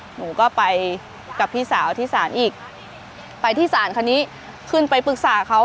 หนูก็ไปกับพี่สาวที่ศาลอีกไปที่ศาลคันนี้ขึ้นไปปรึกษาเขา